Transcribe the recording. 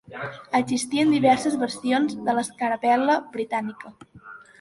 Existien diverses versions de l'escarapel.la britànica.